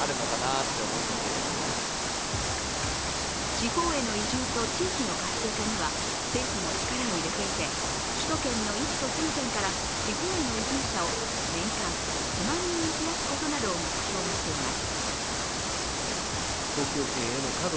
地方への移住と地域の活性化には、政府も力を入れていて首都圏の１都３県から地方への移住者を年間１万人に増やすことなどを目標にしています。